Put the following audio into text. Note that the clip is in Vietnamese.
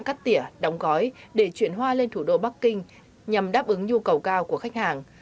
cắt tỉa đóng gói để chuyển hoa lên thủ đô bắc kinh nhằm đáp ứng nhu cầu cao của khách hàng